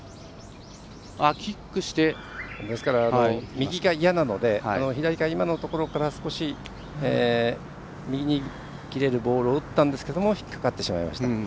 右が嫌なので左から、今のところから少し右に切れるボールを打ったんですけど引っ掛かってしまいました。